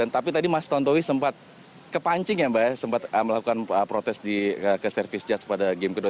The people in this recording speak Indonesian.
tapi tadi mas tontowi sempat kepancing ya mbak ya sempat melakukan protes ke service judge pada game kedua